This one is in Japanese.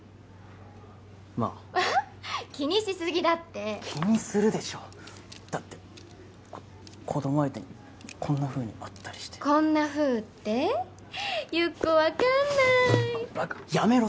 まぁアハッ気にしすぎだって気にするでしょだってこ子ども相手にこんなふうに会ったりしてこんなふうって？ゆっこ分かんないババカやめろって！